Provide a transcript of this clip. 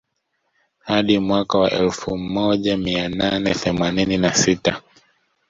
Hadi mwaka wa elfu mija mia nane themanini na sita